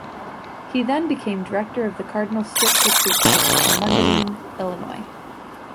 He then became Director of the Cardinal Stritch Retreat House in Mundelein, Illinois.